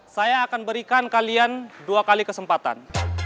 saya akan berikan kalian dua kali kesempatan